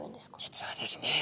実はですね